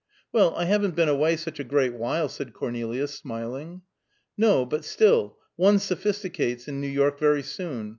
"Well, I haven't been away such a great while," said Cornelia, smiling. "No; but still, one sophisticates in New York very soon.